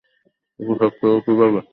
এটা সত্যি হলো কীভাবে!